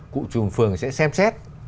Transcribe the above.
cụ trùn phường sẽ xem xét